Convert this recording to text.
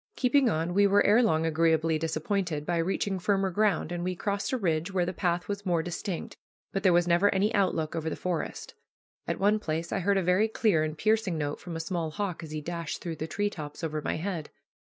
Keeping on, we were ere long agreeably disappointed by reaching firmer ground, and we crossed a ridge where the path was more distinct, but there was never any outlook over the forest. At one place I heard a very clear and piercing note from a small hawk as he dashed through the tree tops over my head.